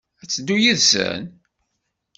Ad d-teddu yid-sen?